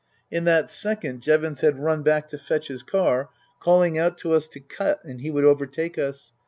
In that second Jevons had run back to fetch his car, calling out to us to cut and he would overtake us.